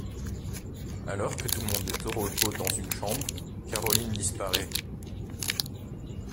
Alors que tout le monde est au repos dans une chambre, Caroline disparait.